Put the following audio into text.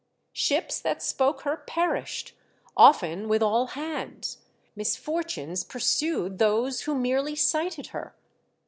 Ships that spoke her perished, often with all hands ; misfor tunes pursued those who merely sighted her.